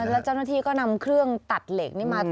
แล้วเจ้าหน้าที่ก็นำเครื่องตัดเหล็กนี่มา